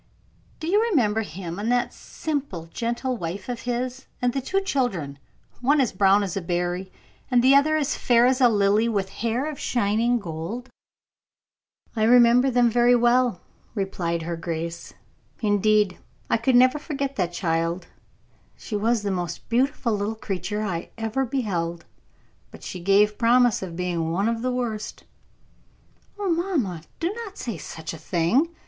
Do you remember him, and that simple, gentle wife of his, and the two children, one as brown as a berry, and the other as fair as a lily, with hair of shining gold?" "I remember them very well," replied her grace. "Indeed I could never forget that child; she was the most beautiful little creature I ever beheld; but she gave promise of being one of the worst." "Oh, mamma, do not say such a thing!"